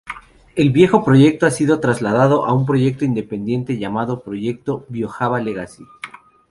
El viejo proyecto ha sido trasladado a un proyecto independiente llamado proyecto BioJava-legacy.